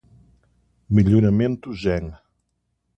Melhoramento gen